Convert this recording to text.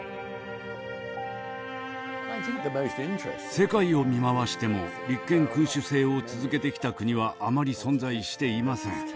世界を見回しても立憲君主制を続けてきた国はあまり存在していません。